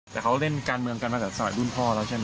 แต่เขาเล่นการเมืองกันมาแต่สมัยรุ่นพ่อแล้วใช่ไหม